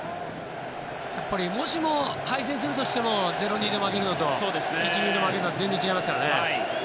もしも敗戦するとしても０−２で負けるのと１−２で負けるのとでは全然違いますからね。